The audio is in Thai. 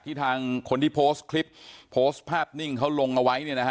ทางคนที่โพสต์คลิปโพสต์ภาพนิ่งเขาลงเอาไว้เนี่ยนะฮะ